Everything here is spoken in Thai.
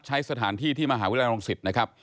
ใช้สถานที่ที่มหาวิทยาลัยรังสิตนะครับ